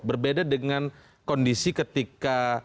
berbeda dengan kondisi ketika